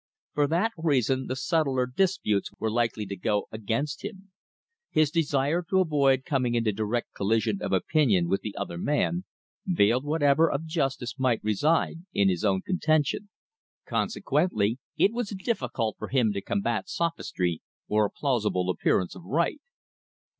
For that reason, the subtler disputes were likely to go against him. His desire to avoid coming into direct collision of opinion with the other man, veiled whatever of justice might reside in his own contention. Consequently it was difficult for him to combat sophistry or a plausible appearance of right.